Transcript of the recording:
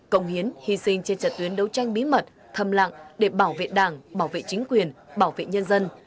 cộng hiến hy sinh trên trật tuyến đấu tranh bí mật thầm lạng để bảo vệ đảng bảo vệ chính quyền bảo vệ nhân dân